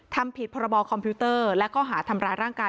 ทำผิดพรบคอมพิวเตอร์และข้อหาทำร้ายร่างกาย